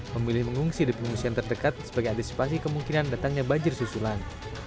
memilih mengungsi di pengungsian terdekat sebagai antisipasi kemungkinan datangnya banjir susulan